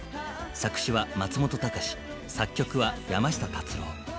作詞は松本隆作曲は山下達郎。